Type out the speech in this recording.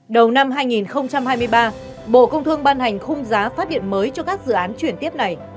đầu năm hai nghìn hai mươi ba bộ công thương ban hành khung giá phát điện mới cho các dự án chuyển tiếp này